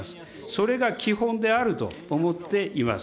それが基本であると思っています。